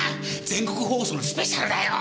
全国放送のスペシャルだよ？